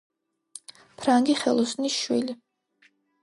ფრანგი ხელოსნის შვილი.